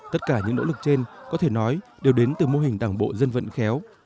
tất cả những nỗ lực trên có thể nói đều đến từ mô hình đảng bộ dân vận khéo